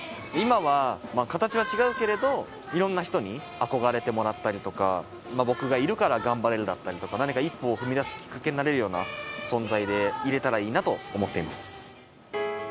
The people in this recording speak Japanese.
今はまあ形は違うけれどいろんな人に憧れてもらったりとか僕がいるから頑張れるだったりとか何か一歩を踏み出すきっかけになれるような存在でいれたらいいなと思っています。